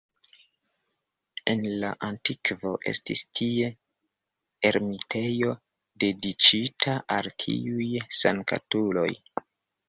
En la antikvo estis tie ermitejo dediĉita al tiuj sanktuloj.